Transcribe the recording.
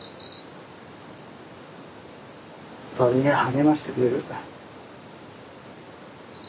鳥が励ましてくれる。